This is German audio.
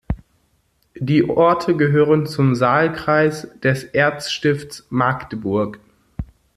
Die Orte gehörten zum Saalkreis des Erzstifts Magdeburg.